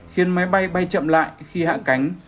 khiến máy bay bay chậm lại khi hạ cánh